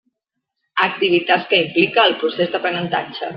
Activitats que implica el procés d'aprenentatge.